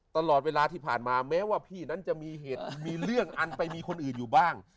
ตลอดเวลาที่ผ่านมาแม้ว่าพี่นั้นจะมีเหตุมีเรื่องอันไปมีคนอื่นอยู่บ้าง